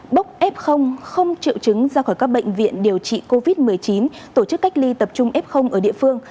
bốc f không triệu chứng ra khỏi các bệnh viện điều trị covid một mươi chín tổ chức cách ly tập trung f ở địa phương